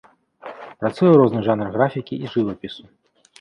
Працуе ў розных жанрах графікі і жывапісу.